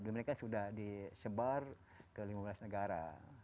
mereka sudah disebar ke lima belas negara